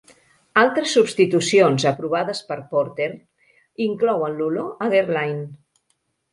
Altres substitucions aprovades per Porter inclouen l'olor a Guerlain.